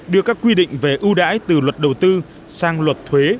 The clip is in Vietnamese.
đưa các quy định về ưu đãi từ luật đầu tư sang luật thuế